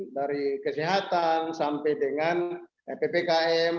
dari kesehatan sampai dengan ppkm